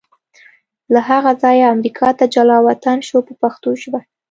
له هغه ځایه امریکا ته جلا وطن شو په پښتو ژبه.